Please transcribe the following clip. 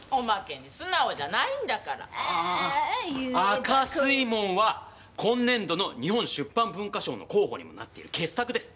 『赤水門』は今年度の日本出版文化賞の候補にもなっている傑作です。